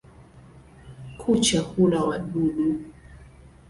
Kucha hula wadudu.